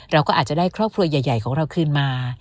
เราก็อาจจะได้ครอบครัวใหญ่ของเราคืนมา